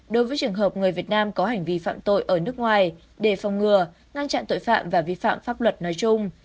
đối với trường hợp người việt nam có hành vi phạm tội ở nước ngoài để phòng ngừa ngăn chặn tội phạm và vi phạm pháp luật nói chung